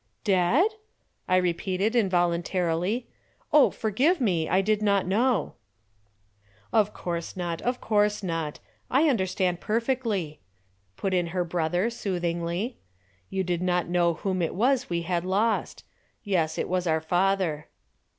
"Dead?" I repeated involuntarily. "Oh, forgive me, I did not know." "Of course not, of course not. I understand perfectly," put in her brother soothingly. "You did not know whom it was we had lost. Yes, it was our father."